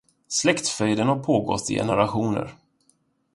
Släktfejden har pågått i generationer.